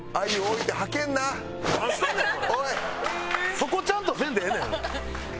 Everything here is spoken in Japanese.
そこちゃんとせんでええねん！